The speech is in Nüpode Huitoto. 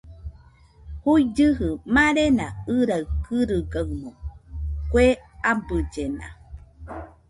Juigɨjɨ marena ɨraɨ kɨrɨgaɨmo, kue abɨllena